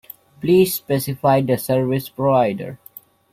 Please specify the service provider.